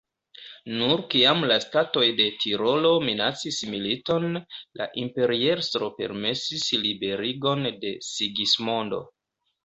Nur kiam la statoj de Tirolo minacis militon, la imperiestro permesis liberigon de Sigismondo.